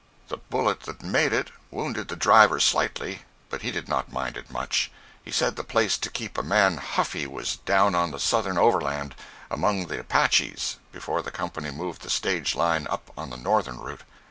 The bullet that made it wounded the driver slightly, but he did not mind it much. He said the place to keep a man "huffy" was down on the Southern Overland, among the Apaches, before the company moved the stage line up on the northern route.